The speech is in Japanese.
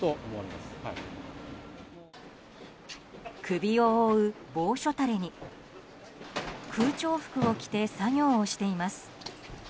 首を覆う防暑たれに空調服を着て作業をしています。